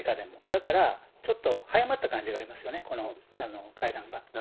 だから、ちょっと早まった感じがありますよね、この会談が。